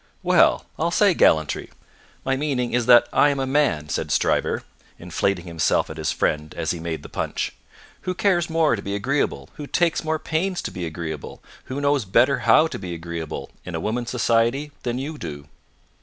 "Well! I'll say gallantry. My meaning is that I am a man," said Stryver, inflating himself at his friend as he made the punch, "who cares more to be agreeable, who takes more pains to be agreeable, who knows better how to be agreeable, in a woman's society, than you do."